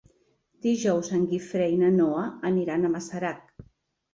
Dijous en Guifré i na Noa aniran a Masarac.